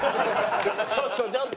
ちょっとちょっと！